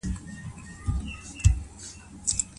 مسلمان بايد د بل حقوقو ته ضرر ونه رسوي.